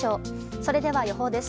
それでは予報です。